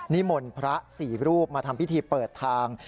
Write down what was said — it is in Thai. นิมลพระสี่รูปมาทำพิธีเปิดทาง